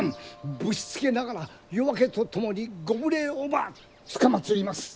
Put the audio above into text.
ぶしつけながら夜明けとともにご無礼をばつかまつります！